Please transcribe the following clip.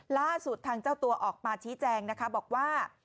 ล่าสุดทางเจ้าตัวออกมาชี้แจงนะคะบอกว่า